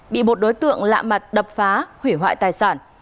bị một đối tượng lạ mặt đập phá hủy hoại tài sản